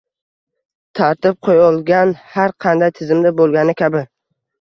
Tartib qo’yolgan har qanday tizimda bo’lgani kabi